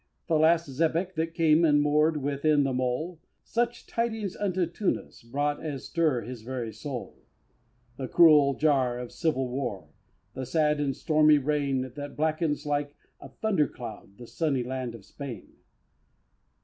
the last Zebeck that came And moor'd within the Mole, Such tidings unto Tunis brought As stir his very soul The cruel jar of civil war, The sad and stormy reign, That blackens like a thunder cloud The sunny land of Spain!